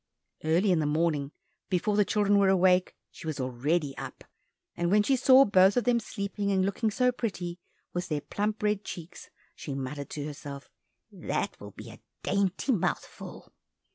Early in the morning before the children were awake, she was already up, and when she saw both of them sleeping and looking so pretty, with their plump red cheeks, she muttered to herself, "That will be a dainty mouthful!"